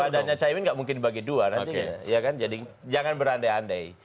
kan badannya caimin enggak mungkin dibagi dua nanti jadi jangan berandai andai